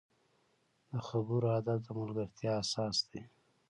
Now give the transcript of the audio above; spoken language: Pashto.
د خبرو ادب د ملګرتیا اساس دی